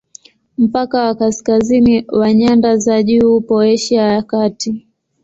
Mpaka wa kaskazini wa nyanda za juu upo Asia ya Kati.